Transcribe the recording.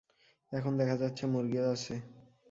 এখন দেখা যাচ্ছে মুরগিও আছে।